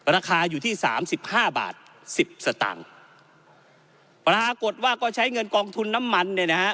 ราคาอยู่ที่สามสิบห้าบาทสิบสตางค์ปรากฏว่าก็ใช้เงินกองทุนน้ำมันเนี่ยนะฮะ